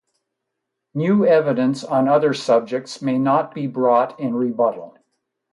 New evidence on other subjects may not be brought in rebuttal.